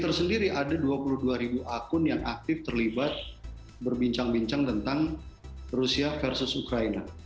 tersendiri ada dua puluh dua ribu akun yang aktif terlibat berbincang bincang tentang rusia versus ukraina